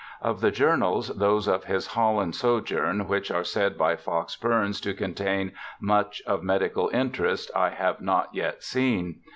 Of the journals, those of his Holland sojourn, which are said by Fox Bourne to contain much of medical interest, I have not yet seen.